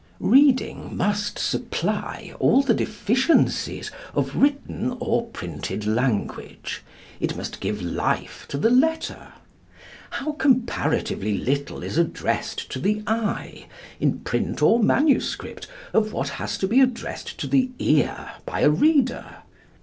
Reading must supply all the deficiencies of written or printed language. It must give life to the letter. How comparatively little is addressed to the eye, in print or manuscript, of what has to be addressed to the ear by a reader!